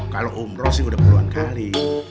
kalau umroh sih udah puluhan kali